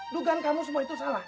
dugaan kamu semua itu salah